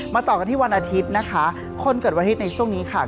ต่อกันที่วันอาทิตย์นะคะคนเกิดวันอาทิตย์ในช่วงนี้ค่ะ